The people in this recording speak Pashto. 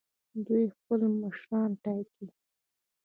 دوی خپل مشران ټاکي.